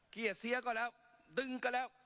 เกลียดเสียก็แล้วดึงก็แล้ว